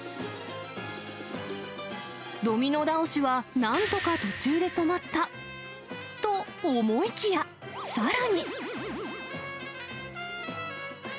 ドミノ倒しはなんとか途中で止まったと思いきや、さらに。